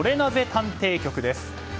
探偵局です。